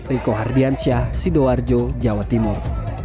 riko hardiansyah sidoarjo jawa timur